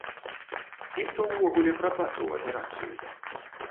І хто ўвогуле прадбачыў аперацыю?